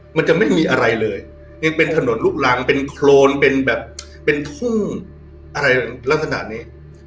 มันจะไม่มีอะไรเลยยังเป็นถนนลูกรังเป็นโครนเป็นแบบเป็นทุ่งอะไรลักษณะนี้